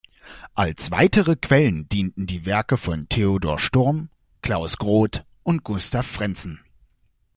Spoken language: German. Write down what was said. Als weitere Quellen dienten die Werke von Theodor Storm, Klaus Groth und Gustav Frenssen.